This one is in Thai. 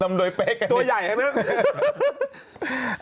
นำโดยเป๊กอันนี้ตัวใหญ่ทั้งนั้น